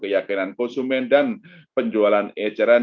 keyakinan konsumen dan penjualan eceran